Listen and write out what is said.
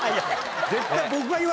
絶対。